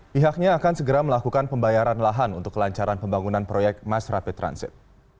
pihaknya akan segera melakukan pembayaran lahan untuk kelancaran pembangunan proyek mass rapid transit